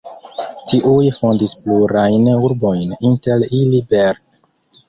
Tiuj fondis plurajn urbojn, inter ili Bern.